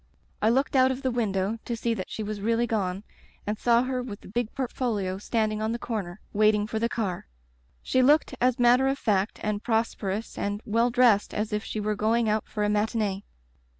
I looked out of the window to see that she was really gone, and saw her with the big portfolio standing on the corner waiting for Digitized by LjOOQ IC Interventions the car. She looked as matter of fact and prosperous and well dressed as if she were going out for i matinee.